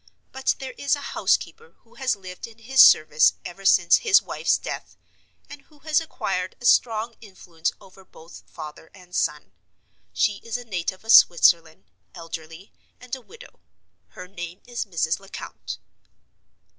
But there is a housekeeper who has lived in his service ever since his wife's death, and who has acquired a strong influence over both father and son. She is a native of Switzerland, elderly, and a widow. Her name is Mrs. Lecount.